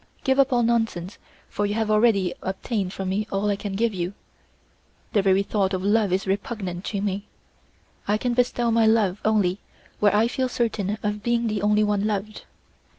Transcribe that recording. Give up all nonsense, for you have already obtained from me all I can give you. The very thought of love is repugnant to me; I can bestow my love only where I feel certain of being the only one loved.